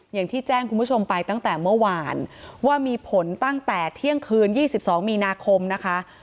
อย่างที่แจ้งคุณผู้ชมไปตั้งแต่เมื่อวานว่ามีผลตั้งแต่เที่ยงคืน๒๒มีนาคมนะคะ